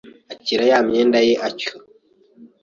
Akira ya myenda ye atyo